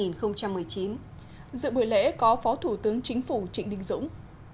dự buổi lễ có phó thủ tướng chính phủ trịnh đình dũng